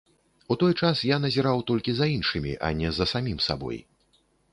У той час я назіраў толькі за іншымі, а не за самім сабой.